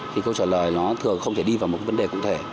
thì câu trả lời nó thường không thể đi vào một vấn đề cụ thể